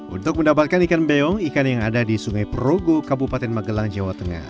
untuk mendapatkan ikan mebeong ikan yang ada di sungai perogo kabupaten magelang jawa tengah